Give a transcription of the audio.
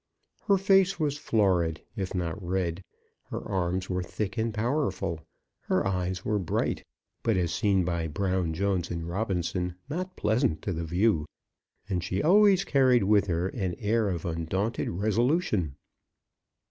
Her face was florid, if not red, her arms were thick and powerful, her eyes were bright, but, as seen by Brown, Jones, and Robinson, not pleasant to the view, and she always carried with her an air of undaunted resolution.